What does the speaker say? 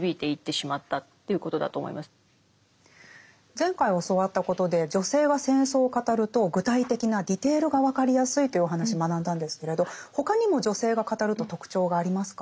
前回教わったことで女性が戦争を語ると具体的なディテールが分かりやすいというお話学んだんですけれど他にも女性が語ると特徴がありますか？